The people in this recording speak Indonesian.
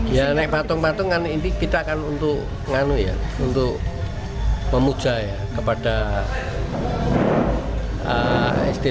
yang naik patung patung ini kita akan untuk ngamu ya untuk memuja ya kepada istri